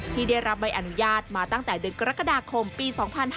ที่ได้รับใบอนุญาตมาตั้งแต่เดือนกรกฎาคมปี๒๕๕๙